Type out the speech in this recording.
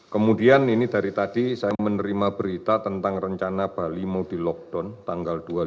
kemudian ini dari tadi saya menerima berita tentang rencana bali mau di lockdown tanggal dua puluh